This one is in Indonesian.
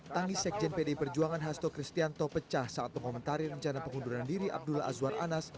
tangis sekjen pdi perjuangan hasto kristianto pecah saat mengomentari rencana pengunduran diri abdullah azwar anas